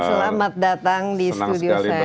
selamat datang di studio saya